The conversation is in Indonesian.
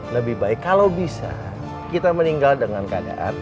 lebih baik kalau bisa kita meninggal dengan keadaan